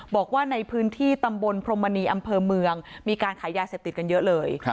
บอกว่าในพื้นที่ตำบลพรมมณีอำเภอเมืองมีการขายยาเสพติดกันเยอะเลย